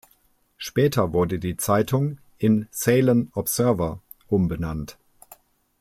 Später wurde die Zeitung in "Ceylon Observer" umbenannt.